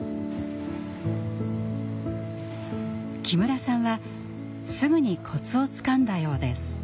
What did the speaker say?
木村さんはすぐにコツをつかんだようです。